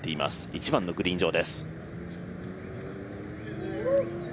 １番のグリーン上です。